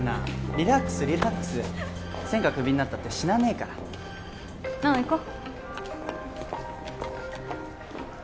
リラックスリラックス専科クビになったって死なねえから菜緒行こう